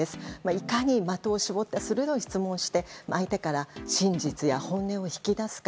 いかに的を絞った鋭い質問をして相手から真実や本音を引き出すか。